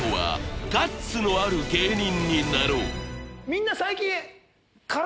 みんな最近。